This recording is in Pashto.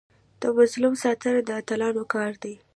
د مظلوم ساتنه د اتلانو کار دی.